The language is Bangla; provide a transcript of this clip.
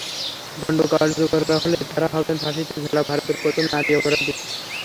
দণ্ড কার্যকর করা হলে, তাঁরা হবেন ফাঁসিতে ঝোলা ভারতের প্রথম নারী অপরাধী।